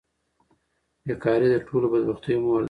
بیکاري د ټولو بدبختیو مور ده.